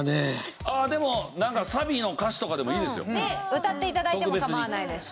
歌って頂いても構わないですし。